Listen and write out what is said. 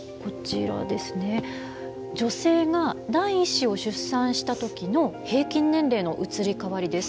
女性が第１子を出産した時の平均年齢の移り変わりです。